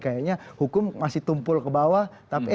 kayaknya hukum masih tumpul ke atas ya kan dan tajam ke bawah